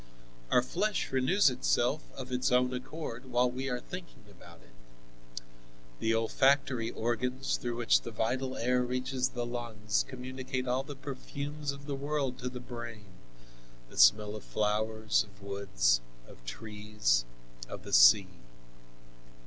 Our flesh renews itself of its own accord, while we are thinking about it. The olfactory organs, through which the vital air reaches the lungs, communicate all the perfumes of the world to the brain: the smell of flowers, of woods, of trees, of the sea.